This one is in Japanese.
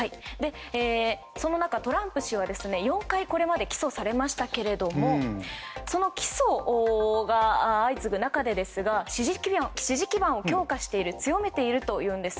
その中トランプ氏は４回、これまで起訴されましたが起訴が相次ぐ中で支持基盤を強めているというんです。